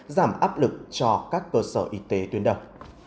giảm áp lực cho các cơ sở y tế tuyên đồng